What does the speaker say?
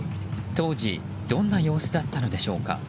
当時どんな様子だったのでしょうか。